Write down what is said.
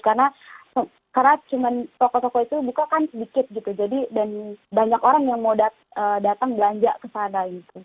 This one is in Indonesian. karena toko toko itu buka kan sedikit dan banyak orang yang mau datang belanja ke sana